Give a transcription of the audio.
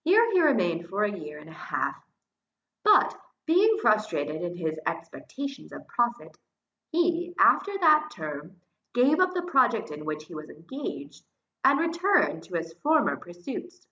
Here he remained for a year and a half; but, being frustrated in his expectations of profit, he, after that term, gave up the project in which he was engaged, and returned to his former pursuits.